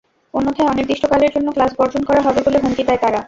অন্যথায় অনির্দিষ্টকালের জন্য ক্লাস বর্জন করা হবে বলে হুমকি দেয় তারা।